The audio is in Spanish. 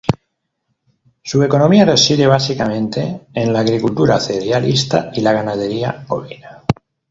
Su economía reside básicamente en la agricultura cerealista y la ganadería ovina.